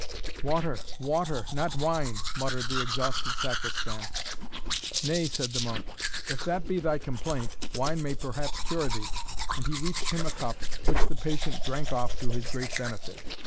"Water! water! not wine," muttered the exhausted Sacristan. "Nay," said the monk, "if that be thy complaint, wine may perhaps cure thee;" and he reached him a cup, which the patient drank off to his great benefit.